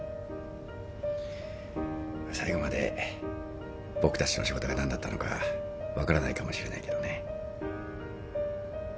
最後まで僕たちの仕事が何だったのか分からないかもしれないけどね。